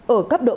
ở cấp độ ba